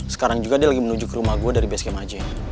sekarang juga dia lagi menuju ke rumah gue dari basecamp aj